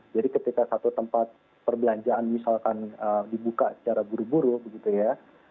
jadi ketika satu tempat perbelanjaan misalkan dibuka secara buru buru gitu ya